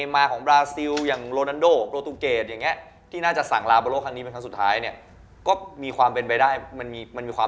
มันมีความเป็นไปด้ายหลายทีม